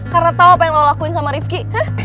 karena tau apa yang lu lakuin sama rifki